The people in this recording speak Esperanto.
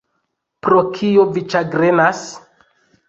Pro kio vi ĉagrenas?